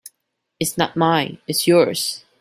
It's not mine; it's yours.